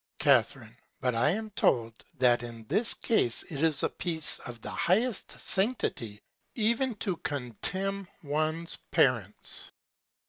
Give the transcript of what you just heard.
Ca. But I am told, that in this Case it is a Piece of the highest Sanctity, even to contemn ones Parents.